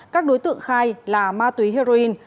các đối tượng khai là ma túy heroin